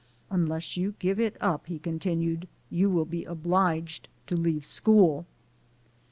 "Un less you give it up," he continued, "you will be obliged to leave school."